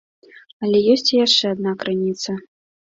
Але ёсць і яшчэ адна крыніца.